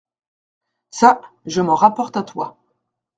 Cà, je m’en rapporte à toi…